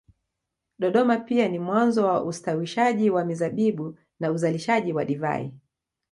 Dodoma pia ni mwanzo wa ustawishaji wa mizabibu na uzalishaji wa divai